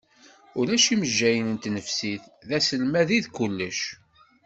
Ulac imejjayen n tnefsit, d aselmad i d kullec.